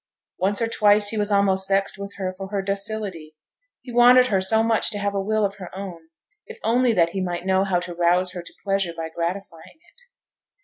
Once or twice he was almost vexed with her for her docility; he wanted her so much to have a will of her own, if only that he might know how to rouse her to pleasure by gratifying it.